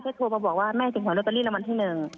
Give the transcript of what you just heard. แค่โทรมาบอกว่าแม่เจ็บหวัยลอตเตอรี่ละวันที่หนึ่ง